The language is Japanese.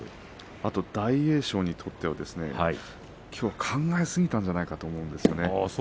あと大栄翔にとってはきょうは考えすぎたんじゃないかなと思うんですね。